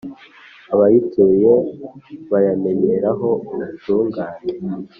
abayituye bayamenyeraho ubutungane.